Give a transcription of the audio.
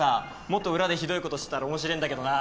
もっと裏でひどいことしてたら面白えんだけどな。